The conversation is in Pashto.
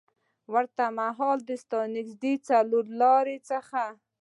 ورته مهال د ستانکزي له څلورلارې څخه